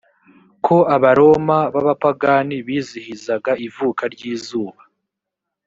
ko abaroma b abapagani bizihizaga ivuka ry izuba